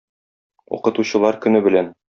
Укытучылар көне белән!